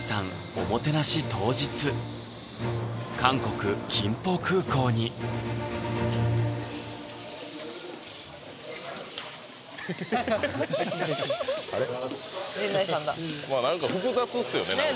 おもてなし当日韓国・金浦空港に何か複雑っすよね